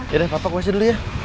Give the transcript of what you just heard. yaudah papa gue asyik dulu ya